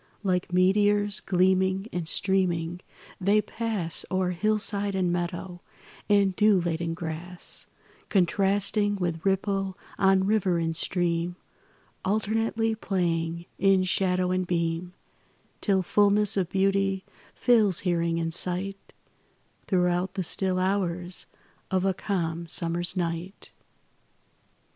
Like meteors, gleaming and streaming, they pass O'er hillside and meadow, and dew laden grass, Contrasting with ripple on river and stream, Alternately playing in shadow and beam, Till fullness of beauty fills hearing and sight Throughout the still hours of a calm summer's night.